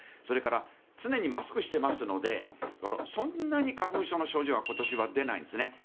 それから常にマスクをしてますのでそんなに花粉症の症状は今年は出ないんですね。